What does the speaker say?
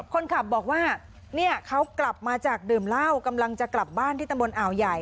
คนขับบอกว่าเนี่ยเขากลับมาจากดื่มเหล้ากำลังจะกลับบ้านที่ตำบลอ่าวใหญ่